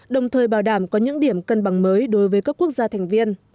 đồng thời bảo đảm có những điểm cân bằng mới đối với các quốc gia thành viên